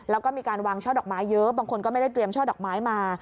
แล้วก็มีการวางช่อดอกไม้เยอะบางคนก็ไม่ได้เตรียมช่อดอกไม้มา